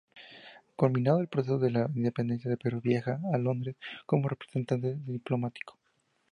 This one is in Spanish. Culminado el proceso de la Independencia del Perú, viaja a Londres como representante diplomático.